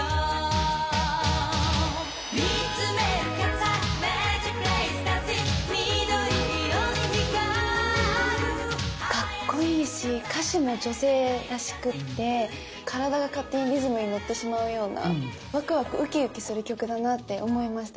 「見つめるＣａｔ’ｓＥｙｅｍａｇｉｃｐｌａｙｉｓｄａｎｃｉｎｇ」「緑色に光る」かっこいいし歌詞も女性らしくって体が勝手にリズムにのってしまうようなワクワクウキウキする曲だなって思いました。